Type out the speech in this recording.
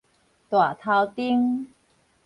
大頭釘